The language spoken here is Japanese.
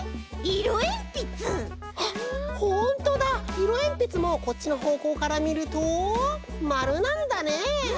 いろえんぴつもこっちのほうこうからみるとまるなんだね！